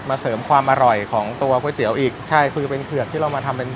เสริมความอร่อยของตัวก๋วยเตี๋ยวอีกใช่คือเป็นเผือกที่เรามาทำเป็น